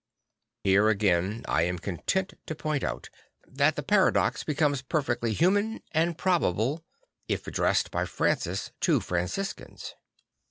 Here again I 13 8 St. FranciJ of Assisi am content to point out that the paradox becomes perfectly human and probable if addressed by Francis to Franciscans.